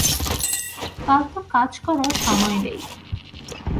ফালতু কাজ করার সময় নেই।